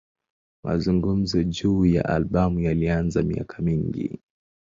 Mazungumzo juu ya albamu yalianza miaka mingi.